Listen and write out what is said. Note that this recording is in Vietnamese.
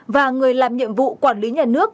và người làm nhiệm vụ quản lý nhà nước